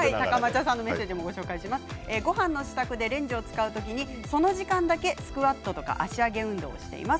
ごはんの支度でレンジを使う時にその時間だけスクワットとか足上げ運動をしています。